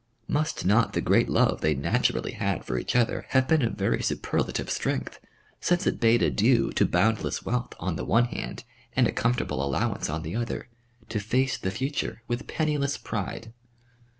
Must not the great love they naturally had for each other have been of very superlative strength, since it bade adieu to boundless wealth on the one hand and a comfortable allowance on the other, to face the future with penniless pride!